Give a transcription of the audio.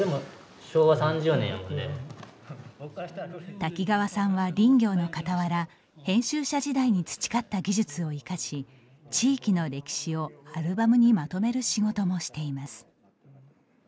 滝川さんは、林業のかたわら編集者時代に培った技術を生かし地域の歴史をアルバムにまとめる仕事もしています。